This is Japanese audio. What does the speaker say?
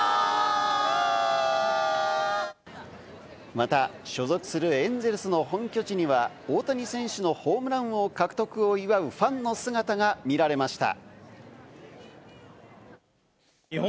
また、所属するエンゼルスの本拠地には大谷選手のホームランを獲得を祝うファンの姿が見られました。